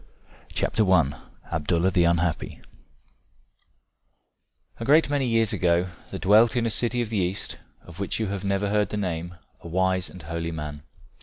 ABDALLAH THE UNHAPPY. A great many years ago there dwelt in a city of the East, of which you have never heard the name, a wise and holy man.